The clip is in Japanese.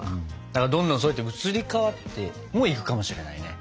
だからどんどんそうやって移り変わってもいくかもしれないね。